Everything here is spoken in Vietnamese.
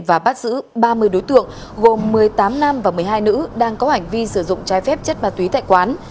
và bắt giữ ba mươi đối tượng gồm một mươi tám nam và một mươi hai nữ đang có hành vi sử dụng trái phép chất ma túy tại quán